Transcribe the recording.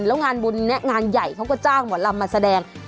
แล้วงานบุญนี้งานใหญ่เขาก็จ้างหมอลำมาแสดง